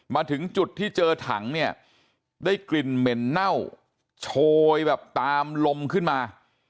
มาถึงจุดที่เจอถังเนี่ยได้กลิ่นเหม็นเน่าโชยแบบตามลมขึ้นมา